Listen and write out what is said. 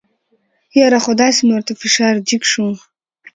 یاره خو داسې مې ورته فشار جګ شو.